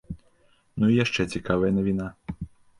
Ну і яшчэ цікавая навіна.